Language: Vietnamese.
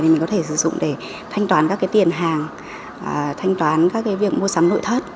mình có thể sử dụng để thanh toán các cái tiền hàng thanh toán các cái việc mua sắm nội thất